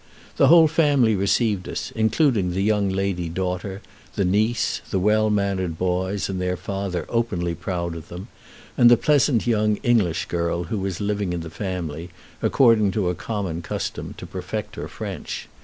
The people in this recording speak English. The whole family received us, including the young lady daughter, the niece, the well mannered boys and their father openly proud of them, and the pleasant young English girl who was living in the family, according to a common custom, to perfect her French.